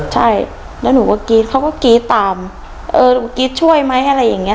ใช่แล้วหนูก็กรี๊ดเขาก็กรี๊ดตามเออกรี๊ดช่วยไหมอะไรอย่างเงี้